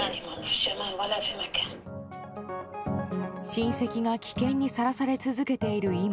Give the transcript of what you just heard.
親戚が危険にさらされ続けている今